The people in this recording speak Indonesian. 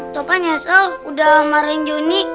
topan nyesel udah amarin johnny